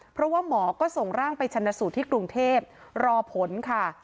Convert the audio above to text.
เพราะว่าหมอก็ส่งร่างไปชนะสูตรที่กรุงเทพรอผลค่ะ